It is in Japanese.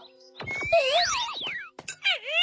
えっ！